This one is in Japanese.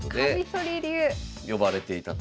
呼ばれていたと。